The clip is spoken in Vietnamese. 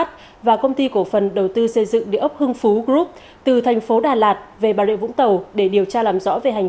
xây dựng địa ốc hưng phú group từ thành phố đà lạt về bà rịa vũng tàu để điều tra làm rõ về hành